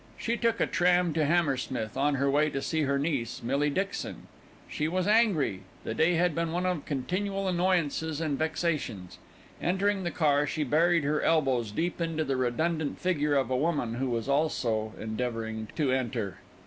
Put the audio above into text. She took a tram to Hammersmith on her way to see her niece, Millie Dixon. She was angry; the day had been one of continual annoyances and vexations. Entering the car she buried her elbows deep into the redundant figure of a woman who was also endeavouring to enter.